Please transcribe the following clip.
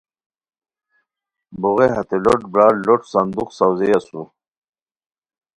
بوغئے ہتے لوٹ برار لوٹ صندوق ساؤزئے اسور